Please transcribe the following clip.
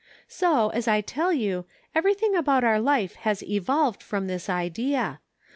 So, as I tell you, everything about our life has * evolved ' from this idea.